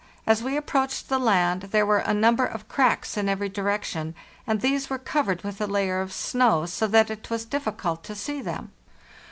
As we approached the land there were a number of cracks in every direction, and these were covered with a layer of snow, so that it was difficult to see them.